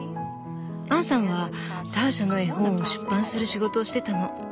アンさんはターシャの絵本を出版する仕事をしてたの。